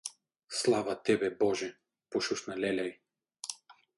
— Слава тебе, боже — пошушна леля й.